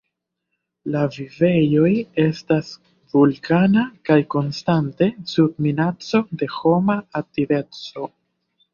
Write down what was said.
La vivejoj estas vulkana kaj konstante sub minaco de homa aktiveco.